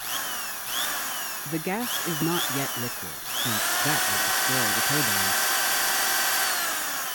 The gas is not yet liquid, since that would destroy the turbine.